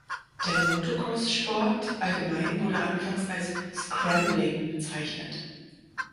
Der Motocross-Sport allgemein wurde anfangs als „Scrambling“ bezeichnet.